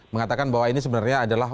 mengatakan bahwa ini sebenarnya adalah